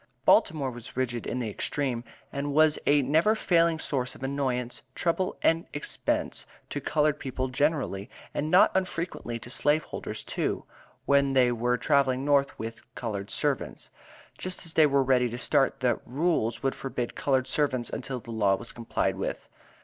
Baltimore was rigid in the extreme, and was a never failing source of annoyance, trouble and expense to colored people generally, and not unfrequently to slave holders too, when they were traveling North with "colored servants." Just as they were ready to start, the "Rules" would forbid colored servants until the law was complied with.